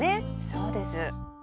そうです。